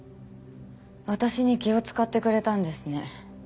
私に気を使ってくれたんですね。